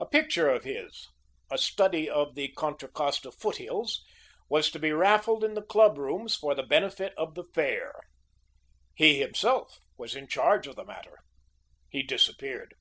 A picture of his "A Study of the Contra Costa Foot hills" was to be raffled in the club rooms for the benefit of the Fair. He, himself, was in charge of the matter. He disappeared.